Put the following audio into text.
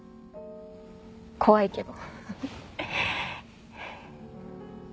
怖いけど。